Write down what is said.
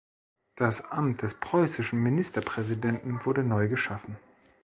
Das Amt des preußischen Ministerpräsidenten wurde neu geschaffen.